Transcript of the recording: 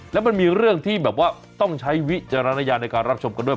แล้วมันมีเรื่องที่แบบว่าต้องใช้วิจารณญาณในการรับชมกันด้วย